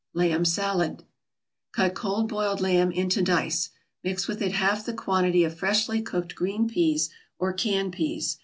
LAMB SALAD Cut cold boiled lamb into dice, mix with it half the quantity of freshly cooked green peas or canned peas.